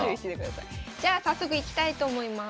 じゃあ早速いきたいと思います。